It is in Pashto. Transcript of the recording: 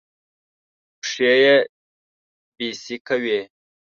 پښې يې بېسېکه وې.